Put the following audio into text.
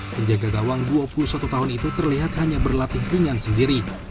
penjaga gawang dua puluh satu tahun itu terlihat hanya berlatih ringan sendiri